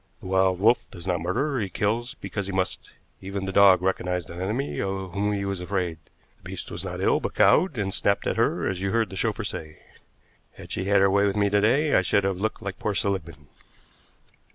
The wild wolf does not murder; he kills because he must. Even the dog recognized an enemy of whom he was afraid. The beast was not ill, but cowed, and snapped at her as you heard the chauffeur say. Had she had her way with me to day, I should have looked like poor Seligmann."